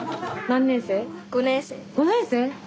５年生？